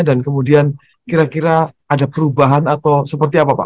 dan kemudian kira kira ada perubahan atau seperti apa pak